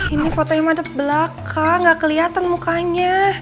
ini foto yang ada belakang gak keliatan mukanya